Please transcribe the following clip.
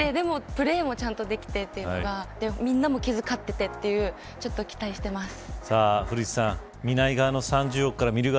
プレーもちゃんとできてというのはみんなも気づかっていてという、ちょっと期待してます。